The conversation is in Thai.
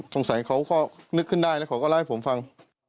สงสัยเขานึกขึ้นได้แล้วเขาก็ล่าให้ผมฟัง